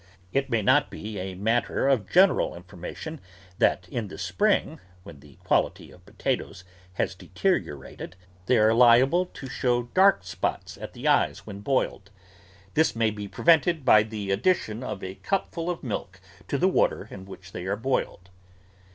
It may not be a matter of general informa tion that in the spring, when the quality of pota toes has deteriorated, they are liable to show dark spots at the eyes when boiled. This may be pre vented by the addition of a cupful of milk to the water in which they are boiled.